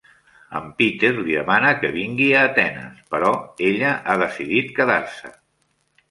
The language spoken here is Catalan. En Peter li demana que vingui a Atenes, però ella ha decidit quedar-se.